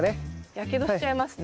やけどしちゃいますね。